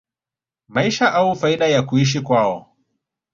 maisha au faida ya kuishi kwao